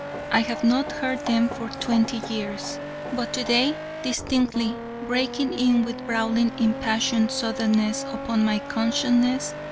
I have not heard them for twenty years! But to day distinctly breaking in with brawling impassioned suddenness upon my consciousness....